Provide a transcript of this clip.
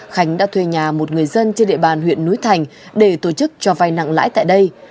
khánh đã thuê nhà một người dân trên địa bàn huyện núi thành để tổ chức cho vai nặng lãi tại đây